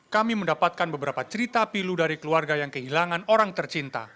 kami mendapatkan beberapa cerita pilu dari keluarga yang kehilangan orang tercinta